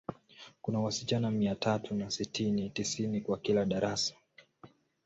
Kuna wasichana mia tatu na sitini, tisini kwa kila darasa.